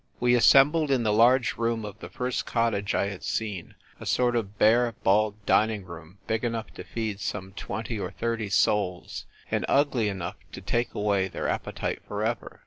We assembled in the large room of the first cottage I had seen — a sort of bare, bald dining hall, big enough to feed some twenty or thirty souls, and ugly enough to take away their appetite for ever.